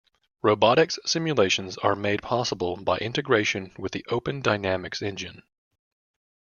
Robotics simulations are made possible by integration with the Open Dynamics Engine.